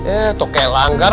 eh toke langgar